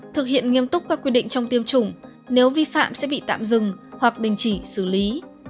thực hiện nghiêm túc các quy định trong tiêm chủng nếu vi phạm sẽ bị tạm dừng hoặc đình chỉ xử lý